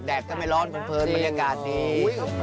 ก็ไม่ร้อนเพลินบรรยากาศดี